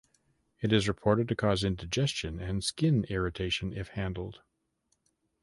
It is reported to cause indigestion and skin irritation if handled.